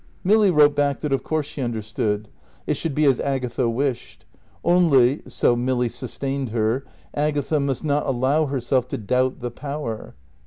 Milly wrote back that of course she understood. It should be as Agatha wished. Only (so Milly "sustained" her) Agatha must not allow herself to doubt the Power.